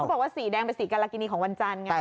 บอกว่าสีแดงเป็นสีกรกินีของวันจันทร์ไง